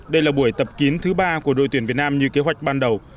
đây là buổi tập kín thứ ba của đội tuyển việt nam như kế hoạch ban đầu